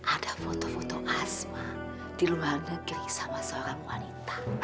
ada foto foto asma di luar negeri sama seorang wanita